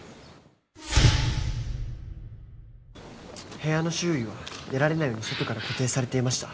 部屋の周囲は出られないように外から固定されていました